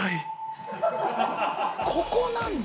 ここなんだ。